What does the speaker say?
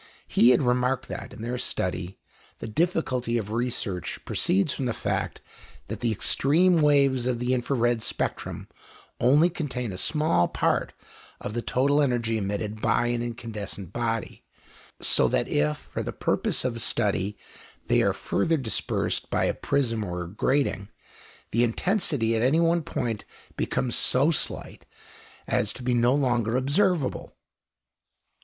He had remarked that, in their study, the difficulty of research proceeds from the fact that the extreme waves of the infra red spectrum only contain a small part of the total energy emitted by an incandescent body; so that if, for the purpose of study, they are further dispersed by a prism or a grating, the intensity at any one point becomes so slight as to be no longer observable.